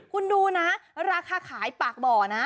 คุณดูนะราคาขายปากบ่อนะ